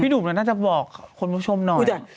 หนุ่มน่าจะบอกคุณผู้ชมหน่อย